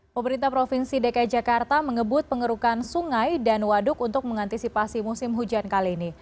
pemerintah provinsi dki jakarta mengebut pengerukan sungai dan waduk untuk mengantisipasi musim hujan kali ini